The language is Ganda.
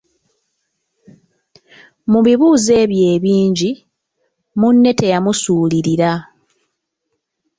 Mu bibuuzo ebyo ebingi, munne teyamusuulirira.